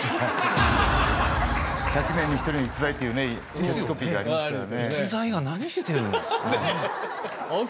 １００年に一人の逸材っていうキャッチコピーがありますからね。